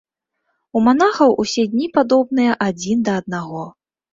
У манахаў усе дні падобныя адзін да аднаго.